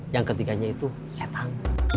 yang ketiganya itu setan